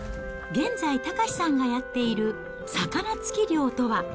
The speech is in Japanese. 現在、岳さんがやっている魚突き漁とは。